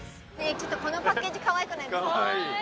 ちょっとこのパッケージかわいくないですか？